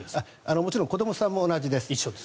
もちろん子どもさんも一緒です。